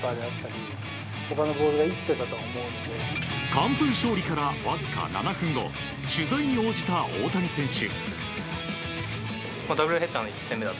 完封勝利から、わずか７分後取材に応じた大谷選手。